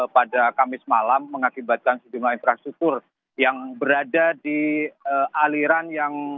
pada kamis malam mengakibatkan sejumlah infrastruktur yang berada di aliran yang